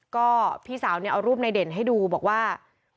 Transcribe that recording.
ก็พี่สาวเนี่ยเอารูปในเด่นให้ดูบอกว่า